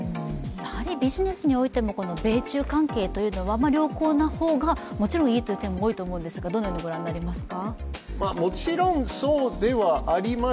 ビジネスにおいても米中関係は良好な方がもちろんいいという点もありますがどのようにご覧になりますか？